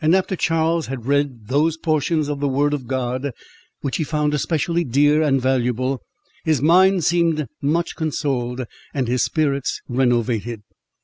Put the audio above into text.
After Charles had read those portions of the word of God, which he found especially dear and valuable, his mind seemed much consoled, and his spirits renovated.